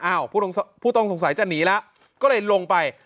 ผู้ต้องสงสัยจะหนีแล้วก็เลยลงไป